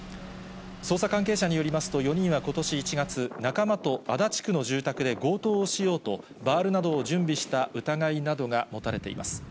捜査関係者によりますと、４人はことし１月、仲間と足立区の住宅で強盗をしようと、バールなどを準備した疑いなどが持たれています。